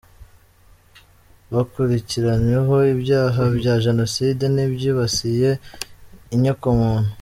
Bakurikiranyweho ibyaha bya Jenoside n’ibyibasiye inyokomuntu.